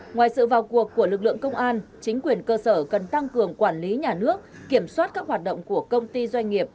ngoài sự vào cuộc của lực lượng công an chính quyền cơ sở cần tăng cường quản lý nhà nước kiểm soát các hoạt động của công ty doanh nghiệp